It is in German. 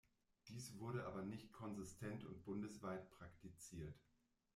Dies wurde aber nicht konsistent und bundesweit praktiziert.